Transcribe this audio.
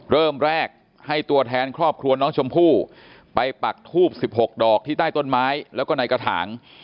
เริ่มแรกให้ตัวแทนครอบครัวน้องชมพู่ไปปักทูบ๑๖ดอกที่ใต้ต้นไม้แล้วก็ในกระถาง